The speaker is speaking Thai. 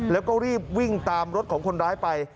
แล้วก็รีบวิ่งตามรถของคนร้ายไป